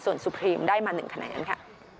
ส่วนสุพรีมได้มา๑คะแนนค่ะ